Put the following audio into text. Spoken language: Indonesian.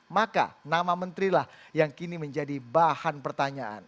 maka nama menterilah yang kini menjadi bahan pertanyaan